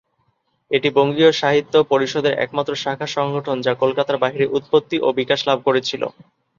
এটি বঙ্গীয় সাহিত্য পরিষদের একমাত্র শাখা সংগঠন যা কলকাতার বাইরে উৎপত্তি ও বিকাশ লাভ করেছিল।